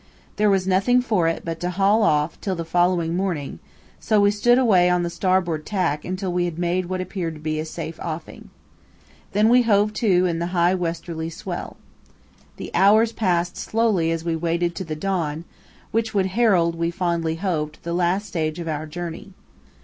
There was nothing for it but to haul off till the following morning, so we stood away on the starboard tack until we had made what appeared to be a safe offing. Then we hove to in the high westerly swell. The hours passed slowly as we waited the dawn, which would herald, we fondly hoped, the last stage of our journey.